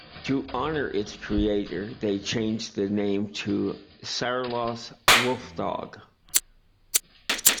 To honor its creator they changed the name to "Saarloos Wolfdog".